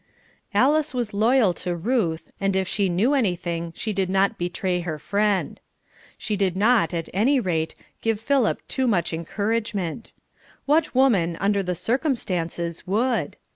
Alice was loyal to Ruth, and if she knew anything she did not betray her friend. She did not, at any rate, give Philip too much encouragement. What woman, under the circumstances, would?